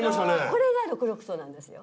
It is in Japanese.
これが六麓荘なんですよ。